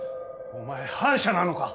お前反社なのか？